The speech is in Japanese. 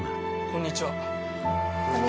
こんにちは。